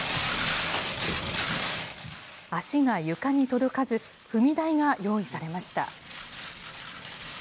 足が床に届かず、踏み台が用意されました。